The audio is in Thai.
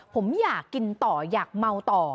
ผมอยากกินต่ออยากเมาต่อ